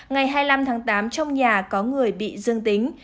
ngày hai mươi năm tháng tám trong nhà có người bị dương tính